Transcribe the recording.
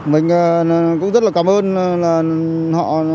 mình cũng rất là cảm ơn họ